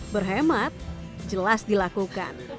berhemat jelas dilakukan